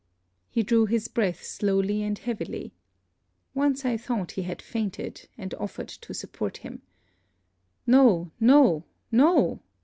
He drew his breath slowly and heavily. Once I thought he had fainted, and offered to support him. 'No! no! no!'